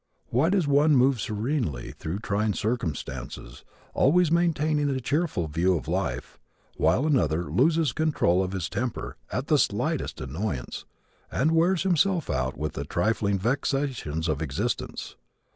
Why does one move serenely through trying circumstances always maintaining a cheerful view of life while another loses control of his temper at the slightest annoyance and wears himself out with the trifling vexations of existence?